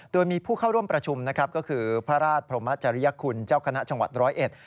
โดยมีผู้เข้าร่วมประชุมนะครับก็คือพระราชพรมจริยคุณเจ้าคณะจังหวัดร้อยเอ็ด